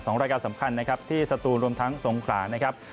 รายการสำคัญนะครับที่สตูนรวมทั้งสงขรานะครับ